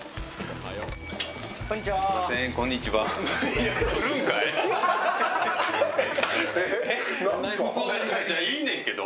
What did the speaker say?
いいねんけど。